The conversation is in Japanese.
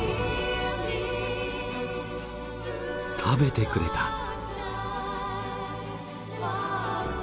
食べてくれた！